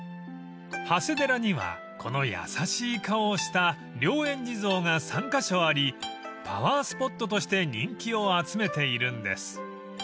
［長谷寺にはこの優しい顔をした良縁地蔵が３カ所ありパワースポットとして人気を集めているんです］